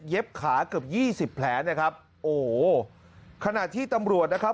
เย็บขาเกือบ๒๐แผนนะครับโอ้โหขนาดที่ตำรวจนะครับ